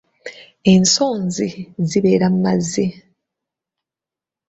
Ensonzi zibeera mu mazzi.